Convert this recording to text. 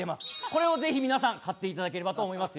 これをぜひ皆さん買っていただければと思います